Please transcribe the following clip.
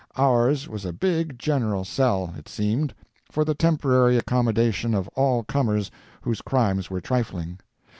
Ours was a big general cell, it seemed, for the temporary accommodation of all comers whose crimes were trifling.